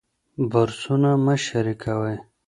برسونه مه شریکوئ.